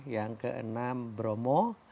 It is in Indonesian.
yang keenam bromo